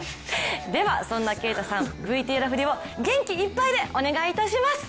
では、そんな啓太さん、ＶＴＲ振りを元気いっぱいでお願いします！